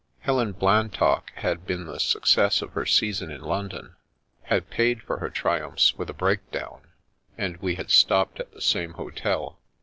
Helen Blantock had been the success of her season in Lon don, had paid for her triumphs with a breakdown, and we had stopped at the same hotel.